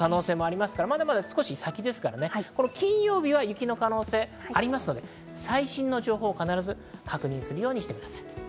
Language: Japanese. まだ少し先ですから、金曜日は雪の可能性がありますから、最新の情報を必ず確認するようにしてください。